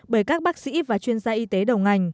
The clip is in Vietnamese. bởi các bác sĩ và chuyên gia y tế đầu ngành